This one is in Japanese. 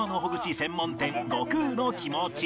専門店悟空のきもち